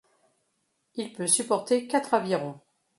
Il peut supporter quatre avirons.